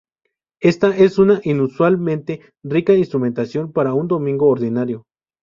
Esta es una inusualmente rica instrumentación para un domingo ordinario.